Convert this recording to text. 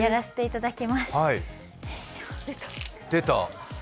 出た！